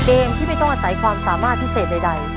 เกมที่ไม่ต้องอาศัยความสามารถพิเศษใด